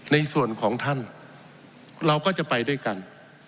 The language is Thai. ในส่วนของท่านเราก็จะไปด้วยกัน